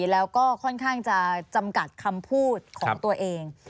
แล้วก็ค่อนข้างจะจำกัดคำพูดของตัวเอง